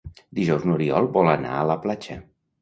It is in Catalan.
Dijous n'Oriol vol anar a la platja.